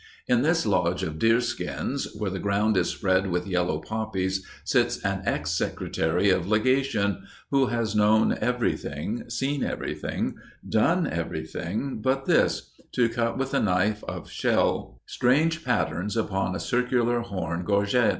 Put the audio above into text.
In this lodge of deerskins, where the ground is spread with yellow poppies, sits an ex secretary of legation, who has known everything, seen everything, done everything but this to cut with a knife of shell strange patterns upon a circular horn gorget.